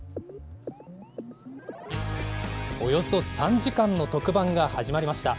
およそ３時間の特番が始まりました。